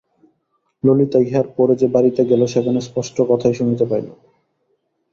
ললিতা ইহার পরে যে বাড়িতে গেল সেখানে স্পষ্ট কথাই শুনিতে পাইল।